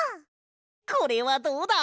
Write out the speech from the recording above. これはどうだ？